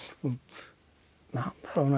何だろうな